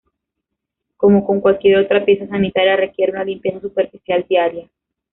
Como con cualquier otra pieza sanitaria, requiere una limpieza superficial diaria.